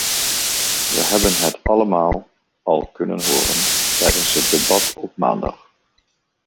We hebben het allemaal al kunnen horen tijdens het debat op maandag.